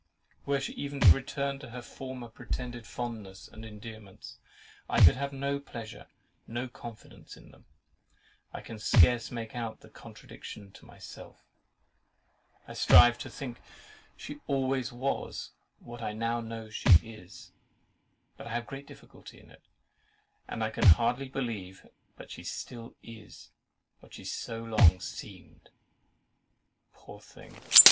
Were she even to return to her former pretended fondness and endearments, I could have no pleasure, no confidence in them. I can scarce make out the contradiction to myself. I strive to think she always was what I now know she is; but I have great difficulty in it, and can hardly believe but she still IS what she so long SEEMED. Poor thing!